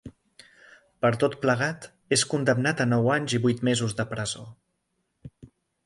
Per tot plegat, és condemnat a nou anys i vuit mesos de presó.